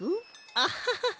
アハハハ。